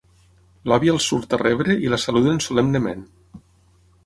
L'àvia els surt a rebre i la saluden solemnement.